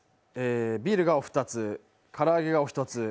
ビールがお２つ、唐揚げがお１つ。